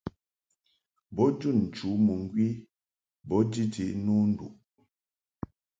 Bo jun nchǔ mɨŋgwi bo jiti no nduʼ.